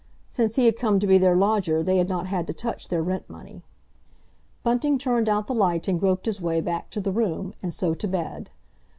Since he had come to be their lodger they had not had to touch their rent money. Bunting turned out the light and groped his way back to the room, and so to bed.